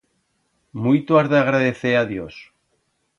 Muito has que agradecer a Dios.